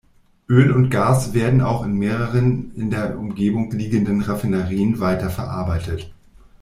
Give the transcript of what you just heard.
Öl und Gas werden auch in mehreren in der Umgebung liegenden Raffinerien weiterverarbeitet.